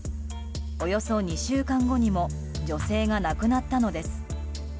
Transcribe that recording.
およそ２週間後にも女性が亡くなったのです。